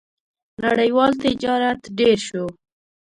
• نړیوال تجارت ډېر شو.